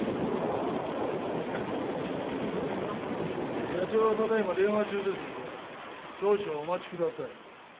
ありがとうございます社長はただ今電話中ですので少々お待ちください